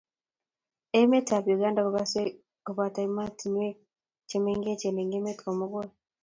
emetab Uganda koboto emeswek che mengechen eng' emet ko mugul